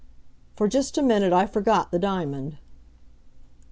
For just a minute I forgot the diamond.